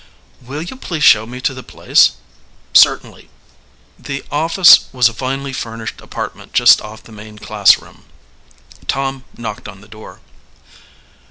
"Will you please show me to the place?" "Certainly." The office was a finely furnished apartment just off the main classroom. Tom knocked on the door.